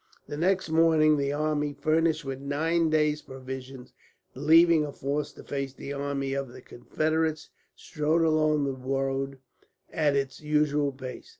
The next morning the army, furnished with nine days' provisions, and leaving a force to face the army of the Confederates, strode along the road at its usual pace.